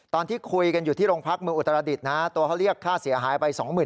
ตอนที่คุยกันอยู่ที่โรงพักเมืองอุตรดิษฐ์นะตัวเขาเรียกค่าเสียหายไป๒๐๐๐